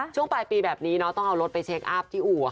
ช่วงปลายปีแบบนี้ต้องเอารถไปเช็คอัพที่อู่